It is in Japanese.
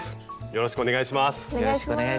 よろしくお願いします。